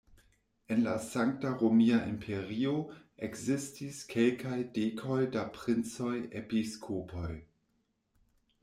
En la Sankta Romia Imperio ekzistis kelkaj dekoj da princoj-episkopoj.